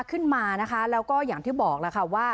ขึ้นมานะคะแล้วก็อย่างที่บอกแล้วค่ะว่า